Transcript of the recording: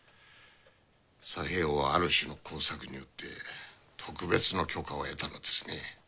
佐兵衛翁はある種の工作によって特別の許可を得たのですね。